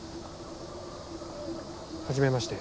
初めまして。